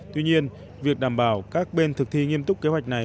tuy nhiên việc đảm bảo các bên thực thi nghiêm túc kế hoạch này